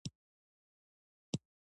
د فیل خړتوم او کونګ سترګي